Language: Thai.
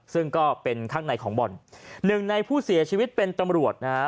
ซึ่งก็เป็นข้างในของบ่อนหนึ่งในผู้เสียชีวิตเป็นตำรวจนะฮะ